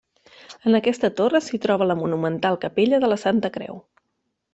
En aquesta torre s'hi troba la monumental Capella de la Santa Creu.